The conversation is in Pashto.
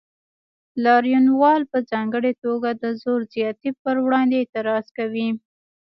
لاریونوال په ځانګړې توګه د زور زیاتي پر وړاندې اعتراض کوي.